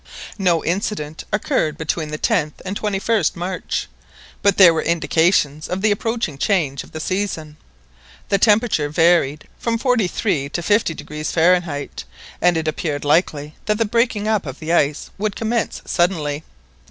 No incident occurred between the 10th and 21st March, but there were indications of the approaching change of season. The temperature varied from 43° to 50° Fahrenheit, and it appeared likely that the breaking up of the ice would commence suddenly.